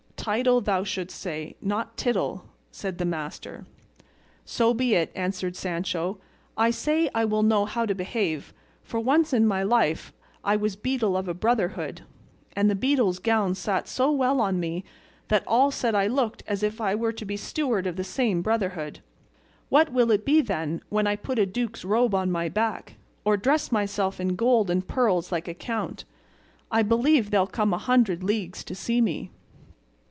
"Title thou shouldst say, not tittle," said his master. "So be it," answered Sancho. "I say I will know how to behave, for once in my life I was beadle of a brotherhood, and the beadle's gown sat so well on me that all said I looked as if I was to be steward of the same brotherhood. What will it be, then, when I put a duke's robe on my back, or dress myself in gold and pearls like a count? I believe they'll come a hundred leagues to see me."